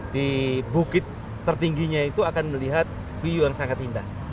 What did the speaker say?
di bukit tertingginya itu akan melihat view yang sangat indah